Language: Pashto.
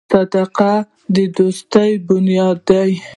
• صداقت د دوستۍ بنیاد دی.